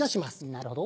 なるほど。